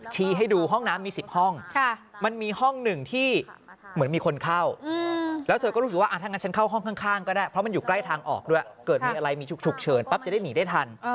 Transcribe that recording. ให้ดูห้องน้ำมี๑๐ห้องมันมีห้องหนึ่งที่เหมือนมีคนเข้าแล้วเธอก็รู้สึกว่าถ้างั้นฉันเข้าห้องข้างก็ได้เพราะมันอยู่ใกล้ทางออกด้วยเกิดมีอะไรมีฉุกเฉินปั๊บจะได้หนีได้ทัน